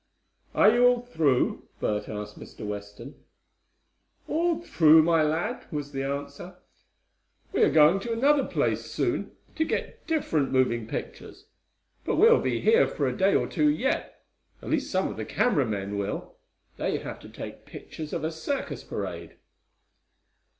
"Are you all through?" Bert asked Mr. Weston. "All through, my lad," was the answer. "We are going to another place soon, to get different moving pictures. But we'll be here for a day or two yet, at least some of the camera men will. They have to take pictures of a circus parade."